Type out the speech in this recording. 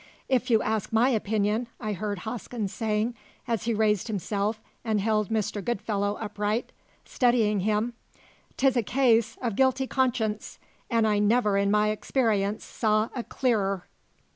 "If you ask my opinion," I heard Hosken saying as he raised himself and held Mr. Goodfellow upright, steadying him, "'tis a case o' guilty conscience, an' I never in my experience saw a clearer."